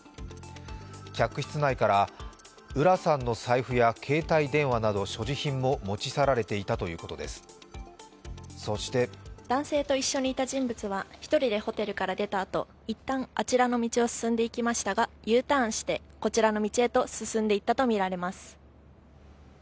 客室内から、浦さんの財布や携帯電話など所持品も持ち去られていたということです、そして男性と一緒に板人物は１人でホテルを出た後、一旦あちらの道に進んでいきましたが、Ｕターンしてこちらの道へと進んでいったとみられます。